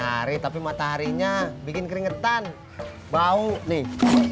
hari harinya bikin keringetan bau nih